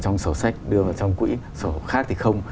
trong sổ sách đưa vào trong quỹ sổ khác thì không